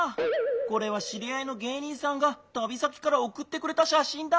これはしりあいの芸人さんがたび先からおくってくれたしゃしんだ。